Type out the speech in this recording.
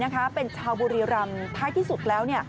เป็นชาวบุรีรำท้ายที่สุดแล้ว